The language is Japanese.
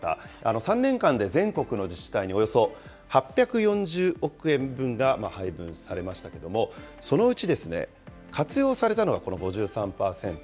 ３年間で全国の自治体におよそ８４０億円分が配分されましたけれども、そのうちですね、活用されたのが、この５３％。